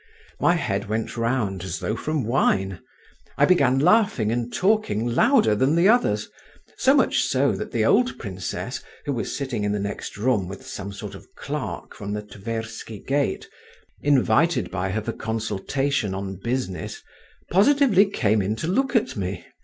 My head went round, as though from wine. I began laughing and talking louder than the others, so much so that the old princess, who was sitting in the next room with some sort of clerk from the Tversky gate, invited by her for consultation on business, positively came in to look at me.